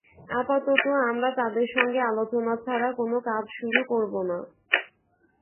আপাতত আমরা তাদের সঙ্গে আলোচনা ছাড়া কোনো কাজ শুরু করব না।